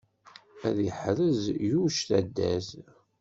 Ad yeḥrez Yuc taddart!